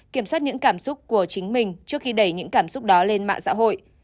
kiểm soát những cảm xúc của chính mình trước khi đẩy những cảm xúc đó lên mạng xã hội